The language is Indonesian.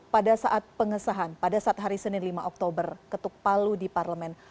pada saat pengesahan pada saat hari senin lima oktober ketuk palu di parlemen